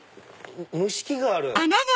蒸し器がある。